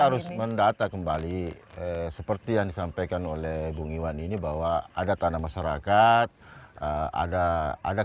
harus mendata kembali seperti yang disampaikan oleh bung iwan ini bahwa ada tanah masyarakat ada ada